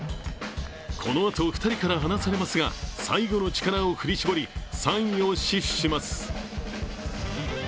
このあと２人から話されますが、最後の力を振り絞り、３位を死守します。